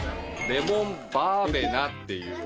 レモンバーベナっていう。